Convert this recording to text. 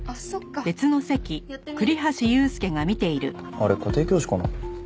あれ家庭教師かな？